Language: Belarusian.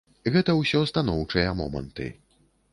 Гэта ўсё станоўчыя моманты.